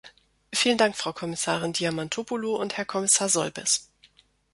Vielen Dank, Frau Kommissarin Diamantopoulou und Herr Kommissar Solbes!